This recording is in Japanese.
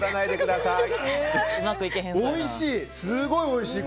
おいしい！